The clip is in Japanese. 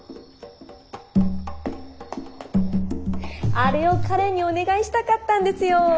あれを彼にお願いしたかったんですよー。